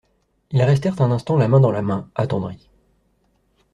Ils restèrent un instant la main dans la main, attendris.